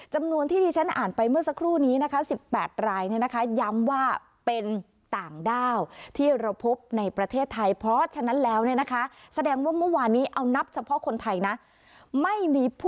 จำนวนที่ที่ฉันอ่านไปเมื่อสักครู่นี้